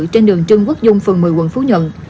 trên đường trưng quốc dung phần một mươi quận phú nhận